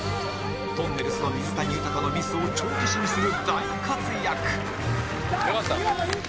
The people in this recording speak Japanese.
とんねるずと水谷豊のミスを帳消しにする大活躍よかった。